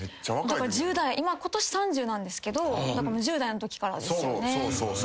１０代今年３０なんですけど１０代のときからですよね。